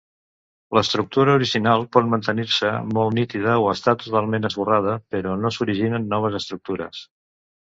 L'estructura original pot mantenir-se molt nítida o estar totalment esborrada, però no s'originen noves estructures.